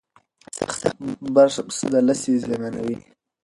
سخت برس د لثې زیانمنوي.